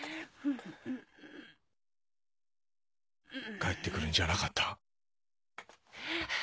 帰って来るんじゃなかった。